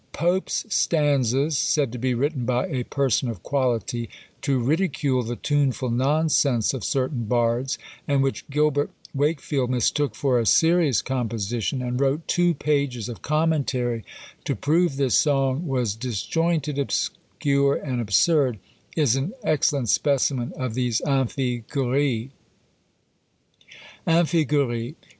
Pope's Stanzas, said to be written by a person of quality, to ridicule the tuneful nonsense of certain bards, and which Gilbert Wakefield mistook for a serious composition, and wrote two pages of Commentary to prove this song was disjointed, obscure, and absurd, is an excellent specimen of these Amphigouries. AMPHIGOURIE.